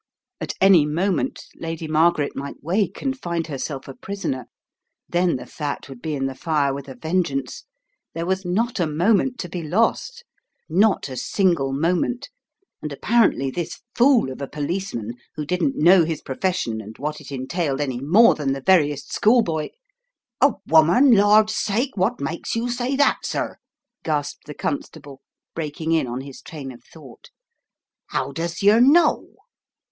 * 9 At any moment Lady Margaret might wake and find herself a prisoner. Then the fat would be in the fire with a vengeance. There was not a moment to be lost. Not a single moment, and apparently this fool of a policeman who didn't know his pro fession and what it entailed any more than the veriest schoolboy "A woman, Lord's sake, what makes you say that, sir?" gasped the constable, breaking in on his train of thought. " How does yer know?